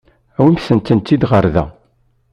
Awimt-tent-id ɣer da.